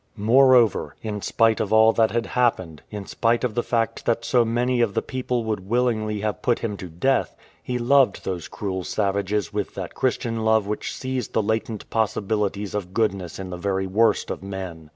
More over, in spite of all that had happened, in spite of the fact that so many of the people would willingly have put him to death, he loved those cruel savages with that Christian love which sees the latent possibilities of good ness in the very worst of men.